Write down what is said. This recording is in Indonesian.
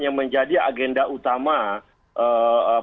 yang menjadi agenda utama kp penyelenggara saja